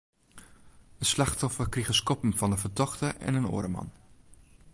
It slachtoffer krige skoppen fan de fertochte en in oare man.